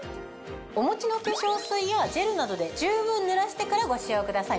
お持ちの化粧水やジェルなどで十分濡らしてからご使用ください